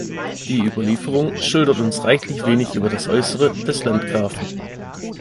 Die Überlieferung schildert uns reichlich wenig über das Äußere des Landgrafen.